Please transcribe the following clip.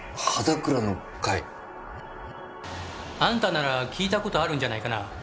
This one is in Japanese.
あんたなら聞いたことあるんじゃないかな。